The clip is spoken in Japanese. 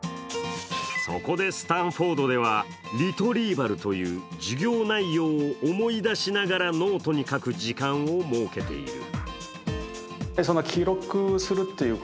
そこでスタンフォードではリトリーバルという授業内容を思い出しながらノートに書く時間を設けている。